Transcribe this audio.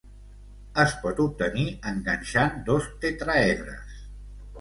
Es pot obtenir enganxant dos tetràedres.